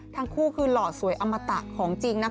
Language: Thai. ทั้งคู่คือหล่อสวยอมตะของจริงนะคะ